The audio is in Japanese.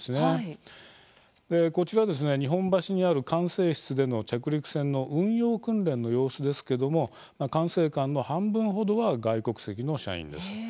こちらですね、日本橋にある管制室での着陸船の運用訓練の様子ですけども管制官の半分程は外国籍の社員です。